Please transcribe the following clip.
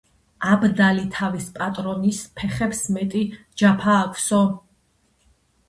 აბდალი თავის პატრონის ფეხებს მეტი ჯაფა აქვსო